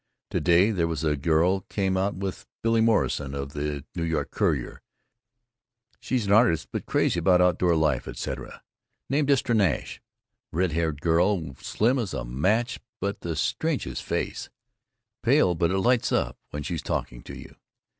To day there was a girl came out with Billy Morrison of the N. Y. Courier, she is an artist but crazy about outdoor life, etc. Named Istra Nash, a red haired girl, slim as a match but the strangest face, pale but it lights up when she's talking to you.